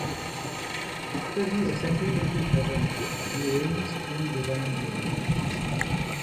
After he ascended into heaven, he reigns in divine glory.